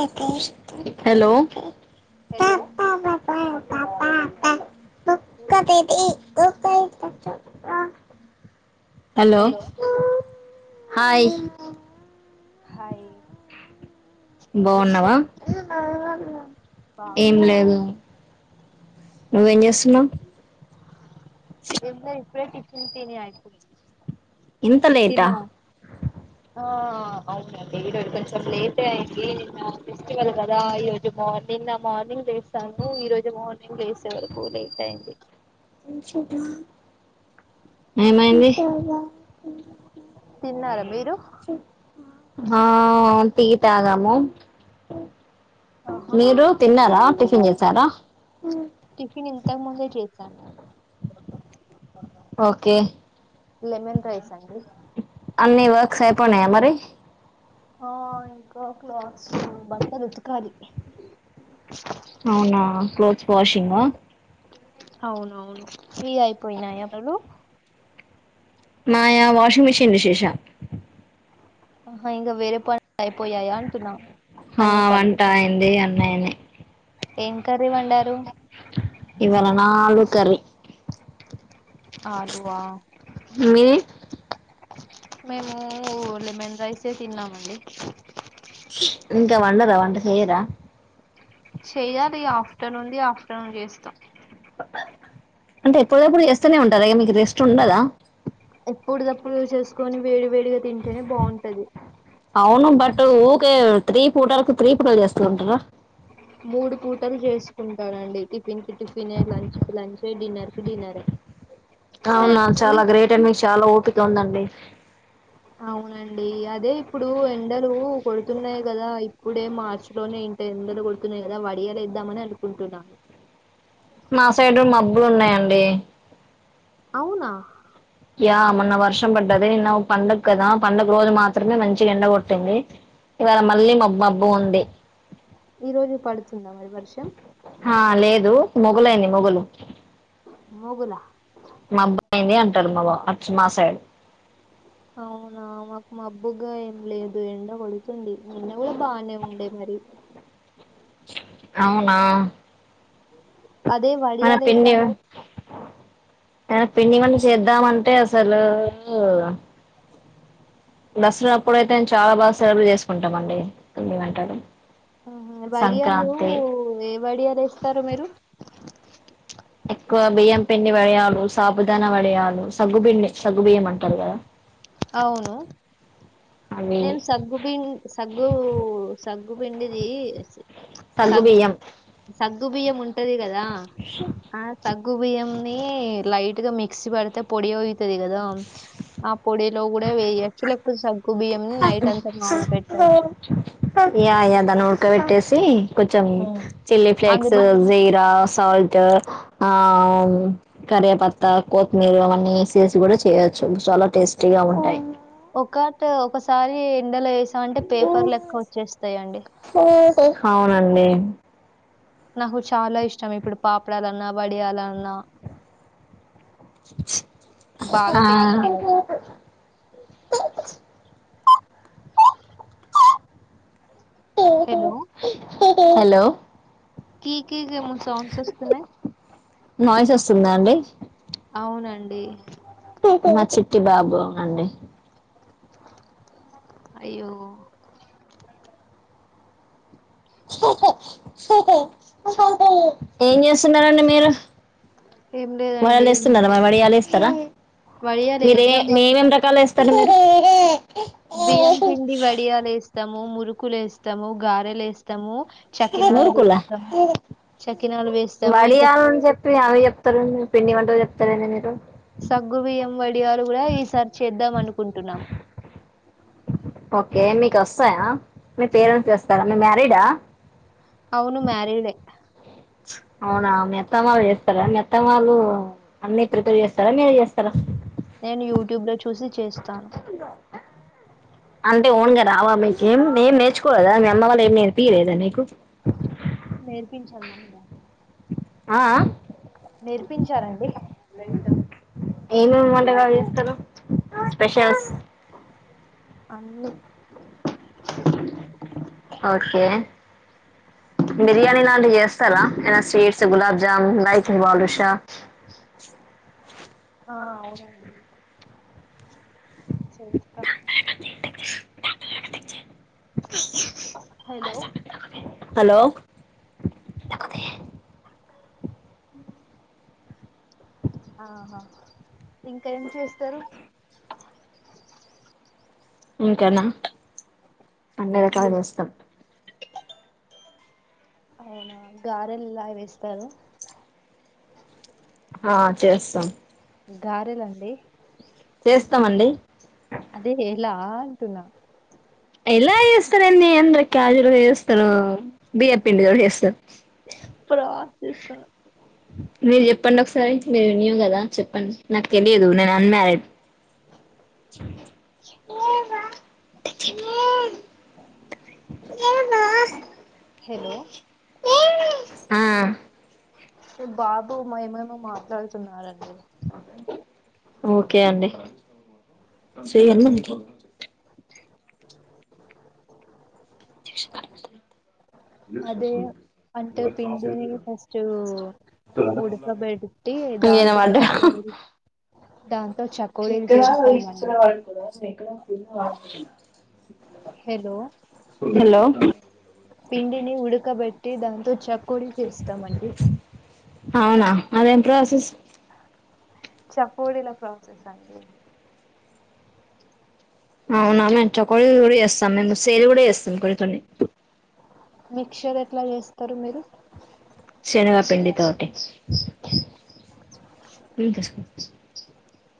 ఆ హలో ఆఓ hello hello hi hi ఏం బాగున్నావా చేస్తున్నావ్ ఏం బాగున్నావా లేదు నువ్వేం చేస్తున్నవు ఏంలేదు ఇప్పుడే టిఫిన్ తీని ఆయిపో ఇ ఇంత లేటా తిన్నావ ఆ అవునండి ఈరోజు కొంచెం లేటే అయింది నా ఫెస్టివల్ కదా ఈ రోజు మార్నింగ్ నా మార్నింగ్ వస్తాము ఈ రోజు మార్నింగ్ లేసే వరకు లేట్ అయింది ఏమైంది తిన్నారా మీరు ఆ టి తగాము ఆహా మీరు తిన్నారా టఫ్ తినేసారా టిఫిన్ ఇంతకుముందే చేసాను ఓకే లమెన్ రైస్ అండి అన్ని వర్క్స్ అయిపోనాయా మరి ఆ ఇంకా క్లాత్స్ బట్టలుతకలి అవునా క్లోత్స్ వాషింగ అవునవును ఫ్రీ అయిపోయినా మీరు మాయా వాషింగ్ మిషన్ శేషా ఆ ఇంగా వేరే పన్ అయిపోయాయా అంటున్నా ఆ అన్నిపనులు వంట అయింది అన్ని అయినాయి ఏం కర్రి వండరు ఇవాళ నాలుగు కర్రీ అలువా మీది మేము లెమన్ రైసే తిన్నామండి ఇగ వండర వంట చేయరా చెయ్యాలి ఆఫ్టర్నూన్ది ఆఫ్టర్ [inaudible] చేస్తాం అంటే ఎప్పుడుప్పుడు చేస్తూనే ఉంటారు అ మీకు రెస్ట్ ఉండదా ఎప్పుడు తప్పుడు చేసుకొని వేడి వేడిగా తింటేనే బావుంటది అవును బట్ ఊరికే త్రీ పూటలకు త్రీ పూటలు చేస్తూ ఉంటారా మూడు పూటలు చేసుకుంటానండి టిఫిన్ కి టిఫిన్ లంచ కి లంచ్ డిన్నర్ కి డిన్నర్ అవునా చాలా గ్రేట్ అండి మీకు చాలా ఓపిక తు ఉందండి అవునండి అదే ఇప్పుడు ఎండలు కొడుతున్నాయి కదా ఇప్పుడే మార్చి లోనే ఇంత ఎండలు కొడుతున్నాయి కదా వడియాల ఏద్దామని అనుకుంటున్నాను మా సైడ్ మబ్బులు ఉన్నాయండి అవునా యా మొన్న వర్షం పడ్డది నిన్న పండగ కదా పండగ రోజు మాత్రమే మంచి ఎండ కొట్టింది ఇవాళ మళ్ళీ మబ్బ బావుంది ఈ రోజు పడుతుందా మరి వర్షం మోగలు అయింది మోగలు మొగల మాబ్బాయింది అంటారు మాబ మా సైడ్ అవునా మాకు మాబ్బుగా ఏం లేదు ఎండ కొడుతుంది నిన్న కూడా బానే ఉండేయి మరి అవునా అదే వడియాలు లేద్దాం మ ఆ పిండి వంట చేద్దామంటే అసలు దసరా అప్పుడు అయితే చాలా బాగా సెలబ్రేట్ చేసుకుంటాము అండి పిండి వంటలు ఆహా వడియాలు సంక్రాంతి ఏ వడియాలు వేస్తారు మీరు ఎక్కువ బియ్యం పిండి వడయాలు సాబుదాన వడయాలు సగ్గు పిండి సగ్గు బియ్యం అంటారు కదా అవును అవి నేను సగ్గు బి సగ్గు సగ్గు పిండిది సి సగ్గుబియ్యం గు బియ్యం ఉంటది కదా ఆ ఆ సగ్గ్ సగ్గుబియ్యన్ని లైట్ గా మిక్సీ పడితే పొడి అయి అయితది కదా లో కూడా వెయ్యచ్చు లేకపో యా యదనో క్కట్టేసి కొంచెం హ్మ్. చిల్లీ ఫ్లేక్స్ అందులో జీరా సాల్ట్ క ఆ కరేపత్తా కొత్తిమీర అవన్నీ యేసేసి కూడా చేయొచ్చు చాలా టేస్టీగా ఉంటాయి ఒకటి ఒకసారి ఎండలో ఎస్ స్తా అంటే పేపర్ లెక్క వచ్చేస్తాయండి అండి నాకు చాలా ఇష్టం ఇప్పుడు పాపడాలన్నా వడియాలన్నా [inaudible] బాగా ఆ తింటాను హలో హలో కి కీ ఏమో సౌండ్స్ వస్తున్నాయి నాయిస్ వస్తుందా అండి అవునండి మా చిట్టి బాబు అండి అయ్యో ఏం చేస్తున్నారండి మీరు ఏం లేదండి. వడాలేస్తున్నారా మరీ వడియాలిస్ స్తార మీరే వడియాలేస్తామన్ నేమేం రకాలు వేస్ [unintelligible] బియ్యం పిండి వడియలు వేస్తాము మురుకు అకులు వేస్తాము గారెలు వేస్తాము మురుకులా చకినాలు వేస్తాము. ఇంకా వడియాలని చెప్పి అవి చెప్తారు పిండి వంట చెప్తారు సరే అండీ మీరు సగ్గుబియ్యం వడియారు కూడా ఈసారి చేద్దాం అనుకుంటున్నాము ఓకే మీకు వస్తాయా మీ పేరెంట్స్ చేస్తారా మీ మ్యారీడా అవును మ్యారిడే అవునా మీ మెత్తమాళ్ళు చేస్తారా మెత్తమాళ్ళు అన్ని ప్రిపేర్ చేస్తారా మీరే చేస్తారా నేను యూట్యూబ్ లో చూసి చేస్తాను అంటే ఓన్గా రావా మీకేం నేం నేర్చుకోలేదా మీ అమ్మ వాళ్ళ ఏం నేర్పీయలేదా మీకు నేర్పించారు మమ్మ డా ఆ ఆ నేర్పించారండి ఏమేం వంటకాలు చేస్తరు స్పెషల్స్ అందు ఓకే బిర్యానీ లాంటివి చేస్తారా ఏనా స్వీట్స్ గులాబ్ జామ్ కాయి బాదుషా ఆ అవునండి చేస్తాను అ హలో హలో ఆహా ఇంకా ఏం చేస్తారు ఇంకానా అన్ని రకాలు చేస్తాం అవునా గారెల్లా వేస్తారు ఆ చేస్తాం గారేలండి చేస్తామండి ఆ అంటున్నా ఎలా చేస్తారేంది ఎంది క్యాజువల్ గా చేస్తారు బియ్యప్పిండితో చేస్తారు ప్రాసెస్ మీరు చెప్పండి ఒకసారి మీరు వినివు కదా చెప్పండి నాకు తెలియదు నేను అన్ మ్యారీడ్ హలో ఆ బాబు మ ఏమేమో మాట్లాడుతున్నారండి ఓకే అండి చేయండి టెన్షన్ పడకు అదే అంటే పిండిని ఫస్ట్ ఉడకబెట్టి ఇంకేనా దాంతో చకోడీలు దా ఇక్కడ ఇస్తా వంట కదా చెక్కను ఫుల్ వాష్ చెయ్యి హలో హలో పిండిని ఉడుకబెట్టి దం త చెక్క అవునా అదే ప్రాసెస్ చకోడీల ప్రాసెస్ అండి అవునా మేము చకోడీలు కూడా చేస్తాం మేము సేలు కూడా చేస్తాం కొన్ని కొన్ని మిక్చర్ ఎట్లా చేస్తారు మీరు సెనగ పిండితోటి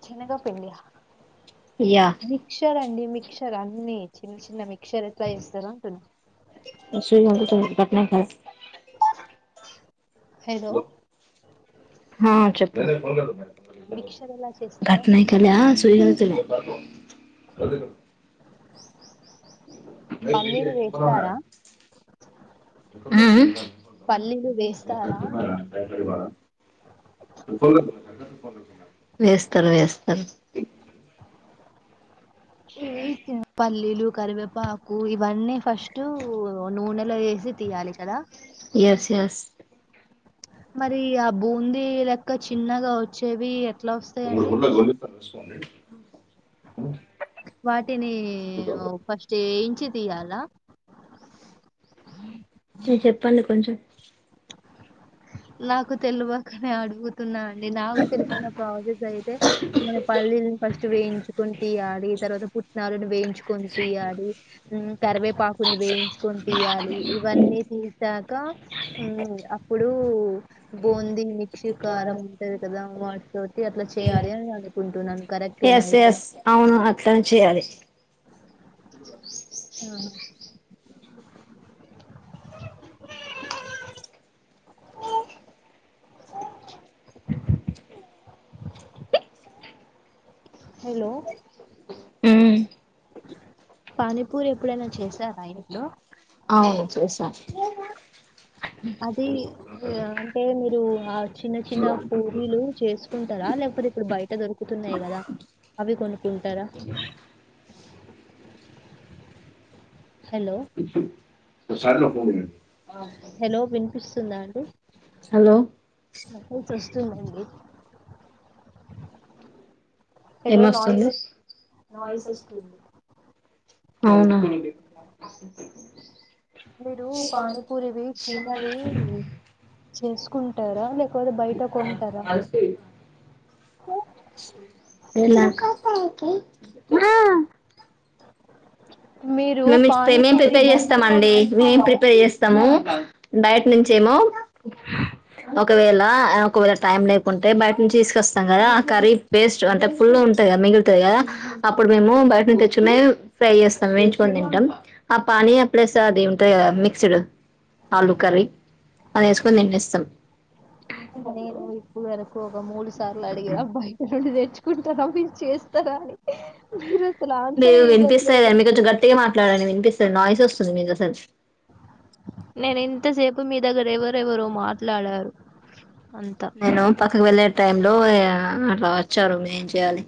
శెనగపిండి యా మిక్షర్ అండి మిక్ మీక్షర్ అన్ని చిన్న చిన్నవి మీక్షర ఎట్లా చేస్తారు అంటున్న [unintelligible] [unintelligible] హలో హా చెప్పు మిక్చర్ ఎలా చేస్తారు అంటున్న గట్నాయికల సూయిగలుతులే పల్లీలు ఉమ్ వేస్తారా పల్లీలు వేస్తారా అంటున్నా ఉమ్ వేస్తారు వేస్తారు ఇవి పల్లీ లు కరివేపాకు ఇవన్నీ ఫస్ట్ నూనెలో వేసి తీయాలి కదా యస్ యస్ మరి ఆ బూందీ లెక్క చిన్నగా వచ్చేవి ఎట్లా వస్తాయండి వాటిని ఫస్ట్ వేయి చ్చి తీయాలా చెప్పండి కొంచెం నాకు తెలవకనే అడుగు తున్నా అండి నాకు తెలిసిన ప్రాసెస్ అయితే మనం పల్లీని ఫస్ట్ వేయించుకొని తీయాలీ తర్వాత పుట్నాలను వేయించుకొని తీయాలి ఉమ్ కరివేపాకుని వేయించుకొని తీయాలి ఇవన్నీ తీసాక ఉమ్ అప్పుడు బూందీ మీక్షికారం ఉంటది కదా వాటితోటి అట్లా చేయాలి అని అనుకుంటున్నాను కరెక్టేనా ఎస్ ఇక ఎస్ అవును అట్లా చేయాలి ఆ హలో ఉమ్ పానీపూరి ఎప్పుడైనా చేశారా ఆ ఇంట్లో అవును చేసాను అది అంటే మీరు [unintelligible] చిన్న చిన్న పూరీలు చేసుకుంట ఆ లేకపోతే ఇప్పుడు బయట దొరుకుతున్నాయి కదా అవి కొనుకుంటారా హలో హలో వినిపిస్ స్తుందా అండి హలో కు చస్త [unintelligible] అండి నాయిస్ ఏమస్తుంది వస్ వాయిస్ వస్తుంది అవునా మీరు పానీపూరివి చిన్నవి చేసుకుంటారా? లేకపోతే బయట కొంటారా? తేలాక్ మీరు మేము ప్రేమేం పానీపూరి ప్రిపేర్ బా చేస్తామ అండి మేం ప్రిపేర్ చేస్తాము బయట నుంచి ఏమో ఒకవేళ ఒకవేళ టైం లేకుంటే బయట నుంచి తీసుకొస్తాం కదా ఆ కర్రీ పేస్ట్ అంటే ఫుల్ ఉంటాయి కదా మిగులుతుంది కదా అప్పుడు మేము బయట నుంచి తెచ్చుకునే ఫ్రై చేస్తాము మే ప తింటాం ఆ పానీయ ప్లస్ అది ఉంటాయా మిక్స్డ్ ఆలు కర్రీ అది వేసుకొని తినేస్తాం నేను ఇప్పుడు వరకు ఒక మూడు సార్లు అడిగ అబ్బాయండి తెచ్ కుంటాన మీరు చేస్తార అని మీరు అసలు ఆన్సరే మీరు వినిపిస్తాయి ఇవ్వట్లేదు. కాని మీ కొంచెం గట్టిగా మాట్లాడాలి వినిపిస్తా నాయిస్ వస్తుంది మీద అసలు నేను ఇంతసేపు మీ దగ్గరఎవరు ఎవరు మాట్లాడారు అంతా నేను పాకు వెళ్ళ టై లో అలా వచ్చారు ఏం చెయాలి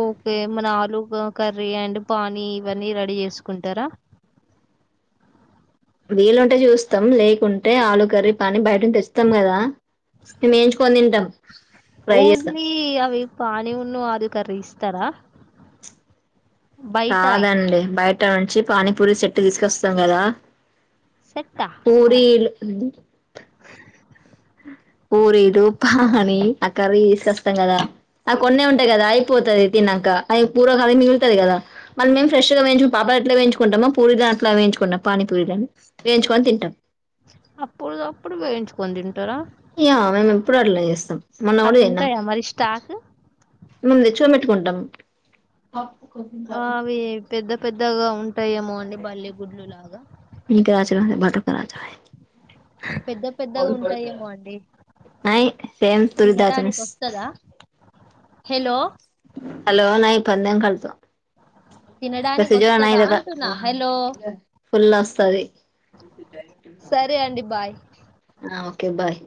ఓకే మన ఆలు కర్రీ అండ్ పానీ ఇవన్నీ రెడీ చేసుకుంటారా వీలుంటే చూస్తాం లేకుంటే ఆలు కర్రీ పానీ బయటం తెస్తాం కదా మేము వేయించుకొని తింటాం ఫ్రై చేస్తాం ఓన్లీ అవి పాని ఉన్ అది కర్రీ ఇస్తారా బయట కాదండి బయట ట నుంచి పానీపూరి సెట్టు తీసుకొస్తాం కదా సెట్టా అ- పూరీలు పూరీలు పానీ ఆ కర్రీ తీసేస్తాం కదా ఆ కొన్నే ఉంటాయి కదా అయిపోతుంది తిన్నాక ఆ పూరి కర్రీ మిగుల్తది కదా మనమేం ఫ్రెష్ గా వేయించు పాపడ్ ఎట్ల వేయించుకుంటామో పూరీ దాని అట్లా వేయించుకుంటాం పానీ పూరి వేయించుకొని తింటాం అప్పటిఅప్పుడు వేయించుకొని తింటారా య మేము ఎప్పుడు అట్లనే చేస్తాం మొన్న అవి కూడా తిన్నాం ఉంటాయా మరి స్టాక్ మేము తెచ్చుకుని పెట్టుకుంటాం ఆ అవి పెద్ద పెద్దగా ఉంటాయేమో అండి బల్లి గుడ్లు లాగా ఇకా రాచ బట కచ [unintelligible] పెద్ద పెద్దగా ఉంటాయేమోనండి తినడానికి వస్తాదా హలో నయి [unintelligible] తినడానికి కదా అంటున్నా హలో ఫుల్ వస్తది సరే అండి బాయ్ ఆ ఓకే బాయ్